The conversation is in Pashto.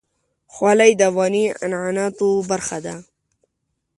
خولۍ د افغاني عنعناتو برخه ده.